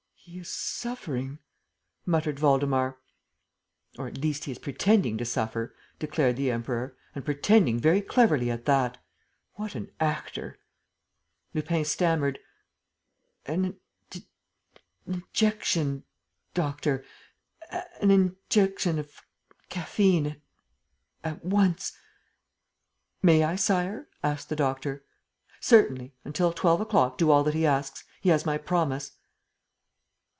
"He is suffering," muttered Waldemar. "Or at least, he is pretending to suffer," declared the Emperor, "and pretending very cleverly at that. What an actor!" Lupin stammered: "An injection, doctor, an injection of caffeine ... at once. ..." "May I, Sire?" asked the doctor. "Certainly. ... Until twelve o'clock, do all that he asks. He has my promise."